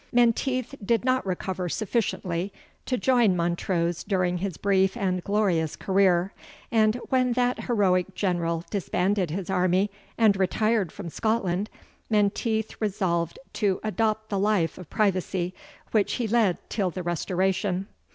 Menteith did not recover sufficiently to join Montrose during his brief and glorious career; and when that heroic general disbanded his army and retired from Scotland, Menteith resolved to adopt the life of privacy, which he led till the Restoration.